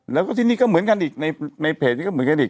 แล้วก็ที่นี่ก็เหมือนกันอีกในเพจนี้ก็เหมือนกันอีก